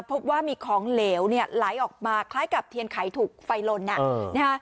พบว่ามีของเหลวเนี่ยไหลออกมาคล้ายกับเทียนไขถูกไฟลนนะฮะ